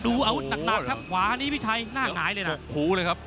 อาวุธหนักครับขวานี้พี่ชัยหน้าหงายเลยนะหูเลยครับ